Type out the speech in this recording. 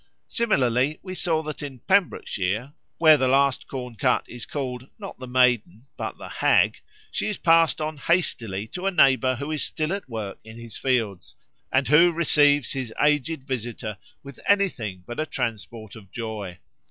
Similarly we saw that in Pembrokeshire, where the last corn cut is called, not the Maiden, but the Hag, she is passed on hastily to a neighbour who is still at work in his fields and who receives his aged visitor with anything but a transport of joy.